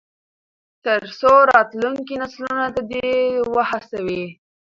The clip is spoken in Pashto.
تر څو راتلونکي نسلونه دې ته وهڅوي.